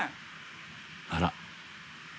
あら。